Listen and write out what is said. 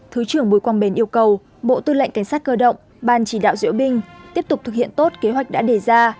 thứ trưởng bùi quang bền yêu cầu bộ tư lệnh cảnh sát cơ động ban chỉ đạo diễu binh tiếp tục thực hiện tốt kế hoạch đã đề ra